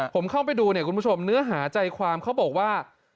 ผมเข้าไปดูเนื้อหาใจความเขาบอกว่า